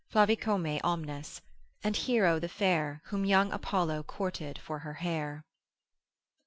flavicomae omnes, ———and Hero the fair, Whom young Apollo courted for her hair.